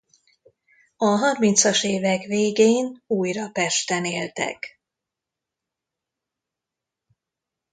A harmincas évek végén újra Pesten éltek.